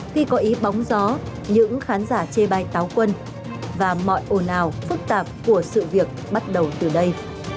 khi có ý bóng gió những khán giả chê bai táo quân và mọi ồn ào phức tạp của sự việc bắt đầu từ đây